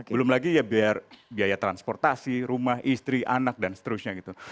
belum lagi ya biaya transportasi rumah istri anak dan seterusnya gitu